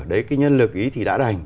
đấy cái nhân lực ý thì đã đành